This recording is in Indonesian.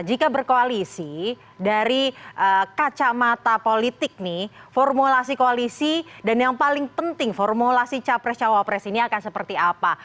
jika berkoalisi dari kacamata politik nih formulasi koalisi dan yang paling penting formulasi capres cawapres ini akan seperti apa